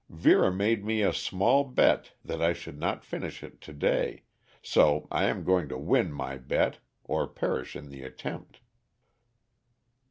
Vera made me a small bet that I should not finish it to day, so I am going to win my bet, or perish in the attempt."